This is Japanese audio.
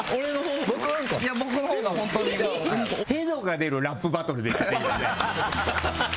へどが出るラップバトルでしたね、今。